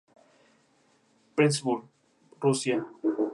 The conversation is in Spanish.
Petersburg, Rusia.